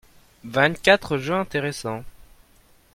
vingt quatre jeux intéréssants.